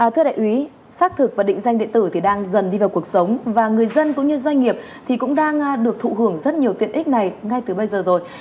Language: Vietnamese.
thưa đại úy xác thực và định danh điện tử thì đang dần đi vào cuộc sống và người dân cũng như doanh nghiệp thì cũng đang được thụ hưởng rất nhiều tiện ích này ngay từ bây giờ rồi